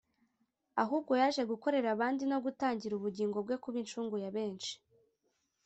ahubwo yaje gukorera abandi no gutangira ubugingo bwe kuba incungu ya benshi